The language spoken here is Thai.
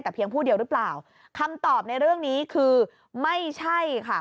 แต่เพียงผู้เดียวหรือเปล่าคำตอบในเรื่องนี้คือไม่ใช่ค่ะ